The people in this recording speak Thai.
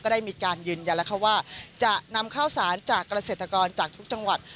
ได้มีการยืนยันแล้วว่าจะนำข้าวสารจากเกษตรกรจากทุกจังหวัด